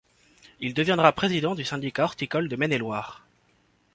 Il deviendra président du syndicat horticole de Maine-et-Loire.